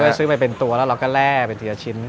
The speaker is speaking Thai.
เราก็ซื้อไปเป็นตัวแล้วเราก็แลเป็นเดียวชิ้น